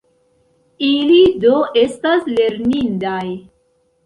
Ili do estas lernindaj.